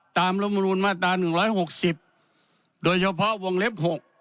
รัฐมนุนมาตรา๑๖๐โดยเฉพาะวงเล็บ๖